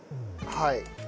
はい。